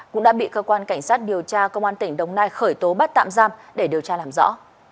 cũng đã bị cơ quan cảnh sát điều tra công an tỉnh đồng nai khởi tố bắt tạm giam để điều tra làm rõ